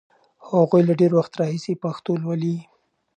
هغوی له ډېر وخت راهیسې پښتو لولي.